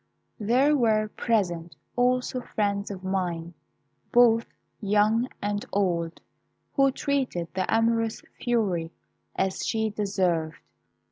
"There were present also friends of mine, both young and old, who treated the amorous fury as she deserved.